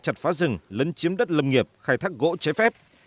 chặt phá rừng lấn chiếm đất lâm nghiệp khai thác gỗ trái phép